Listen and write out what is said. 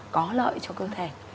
có lợi cho cơ thể